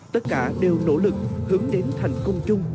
tất cả đều nỗ lực hướng đến thành công chung